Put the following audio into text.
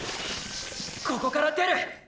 ここから出る！